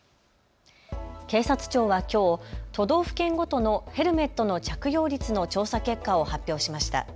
警察庁はきょう都道府県ごとのヘルメットの着用率の調査結果を発表しました。